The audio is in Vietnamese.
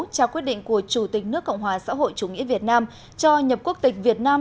trao quyết định của chủ tịch nước cộng hòa xã hội chủ nghĩa việt nam cho nhập quốc tịch việt nam